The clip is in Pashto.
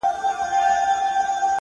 دا دی لمبهوړمه له اوره سره مينه کوم,